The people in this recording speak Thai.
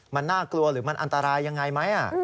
มันน่ากลัวหรือมันอันตรายยังไงไหม